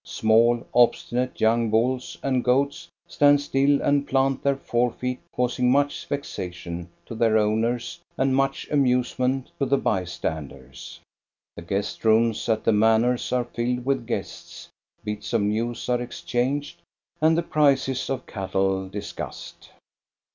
Small, obstinate young bulls and goats stand still and plant their forefeet, causing much vexation to their owners and much amusement to the by standers. The guest rooms at the manors are filled with guests, bits of news are exchanged, and the prices of cattle discussed.